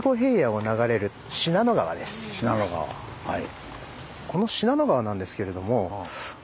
信濃川はい。